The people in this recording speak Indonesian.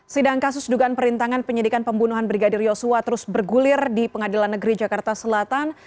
sidang kasus dugaan perintangan penyidikan pembunuhan brigadir yosua terus bergulir di pengadilan negeri jakarta selatan